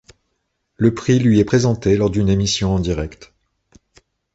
Le prix lui est présenté lors d'une émission en direct.